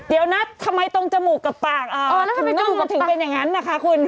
เดี๋ยวนะทำไมตรงจมูกกับปากทำไมลูกมันถึงเป็นอย่างนั้นนะคะคุณ